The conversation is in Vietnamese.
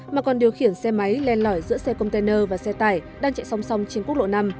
mà còn điều khiển xe máy len lỏi giữa xe container và xe tải đang chạy song song trên quốc lộ năm